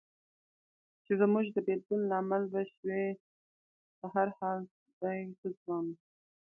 چې زموږ د بېلتون لامل به شوې، په هر حال دی ښه ځوان و.